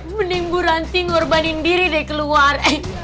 mending bu ranti ngorbanin diri deh keluar